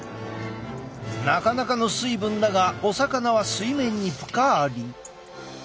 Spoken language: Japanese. なかなかの水分だがお魚は水面にぷかり。